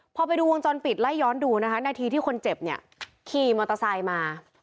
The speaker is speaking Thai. พอไปดูวงจรปิดไล่ย้อนดูนะคะนาทีที่คนเจ็บเนี่ยขี่มอเตอร์ไซค์มา